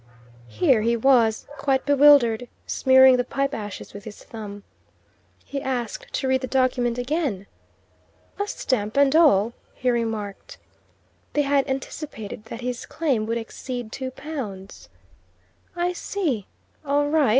Here he was, quite bewildered, smearing the pipe ashes with his thumb. He asked to read the document again. "A stamp and all!" he remarked. They had anticipated that his claim would exceed two pounds. "I see. All right.